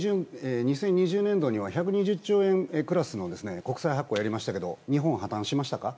２０２０年度には１２０兆円クラスの国債発行をやりましたが日本は破綻しましたか？